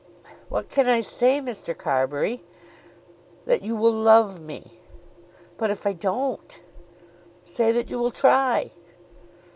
"What can I say, Mr. Carbury?" "That you will love me." "But if I don't?" "Say that you will try."